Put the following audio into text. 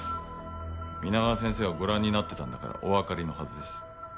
皆川先生はご覧になってたんだからおわかりのはずです。